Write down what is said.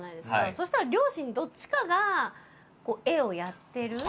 そしたら両親どっちかが絵をやってる。